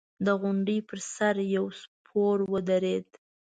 د غونډۍ پر سر يو سپور ودرېد.